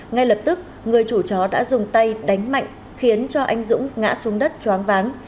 ngay lập tức người chủ chó đã dùng tay đánh mạnh khiến cho anh dũng ngã xuống đất choáng váng